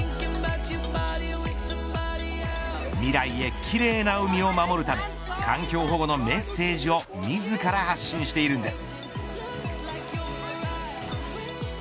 未来へ奇麗な海を守るため環境保護のメッセージを自ら発信しているんです。